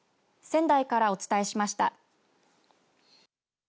仙台からお伝えしました。